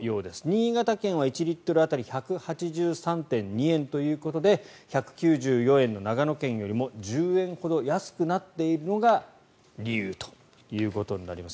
新潟県は１リットル当たり１８３．２円ということで１９４円の長野県よりも１０円ほど安くなっているのが理由ということになります。